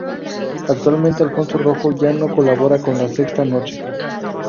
Actualmente, Alfonso Rojo ya no colabora con La Sexta Noche.